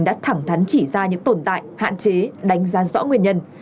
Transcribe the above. đã thẳng thắn chỉ ra những tồn tại hạn chế đánh giá rõ nguyên nhân